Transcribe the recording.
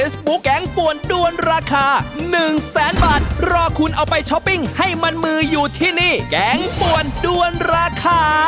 สวัสดีครับ